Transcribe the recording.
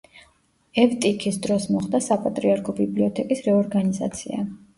ევტიქის დროს მოხდა საპატრიარქო ბიბლიოთეკის რეორგანიზაცია.